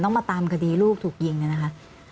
ต้องมาตามคดีลูกถูกยิงนี่นะคะ